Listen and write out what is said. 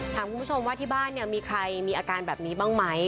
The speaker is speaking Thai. ถามคุณผู้ชมว่าที่บ้านเนี่ยมีใครมีอาการแบบนี้บ้างไหม